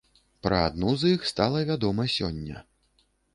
Пра адну з іх стала вядома сёння.